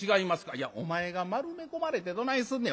「いやお前が丸め込まれてどないすんねん。